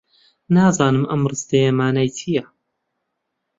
نازانم ئەم ڕستەیە مانای چییە.